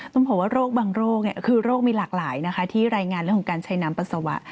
ต้องบอกว่าโรคบางโรคคือโรคมีหลากหลายนะคะที่รายงานเรื่องของการใช้น้ำปัสสาวะ